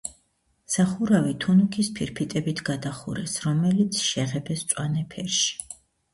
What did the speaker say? სახურავი თუნუქის ფირფიტებით გადახურეს, რომელიც შეღებეს მწვანე ფერში.